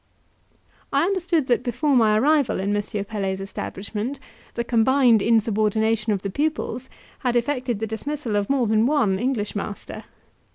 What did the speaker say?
I understood that before my arrival in M. Pelet's establishment, the combined insubordination of the pupils had effected the dismissal of more than one English master.